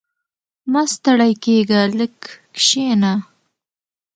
• مه ستړی کېږه، لږ کښېنه.